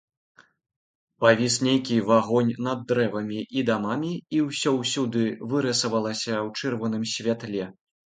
Павіс нейкі агонь над дрэвамі і дамамі, і ўсё ўсюды вырысавалася ў чырвоным святле.